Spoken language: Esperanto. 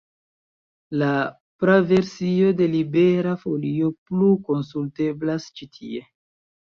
La praversio de Libera Folio plu konsulteblas ĉi tie.